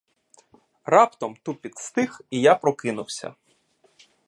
Раптом тупіт стих, і я прокинувся.